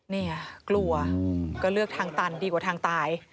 เนี่ยกลัวก็เลือกทางตันดีกว่าทางตาย